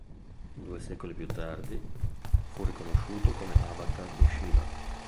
Due secoli più tardi fu riconosciuto come avatar di Shiva.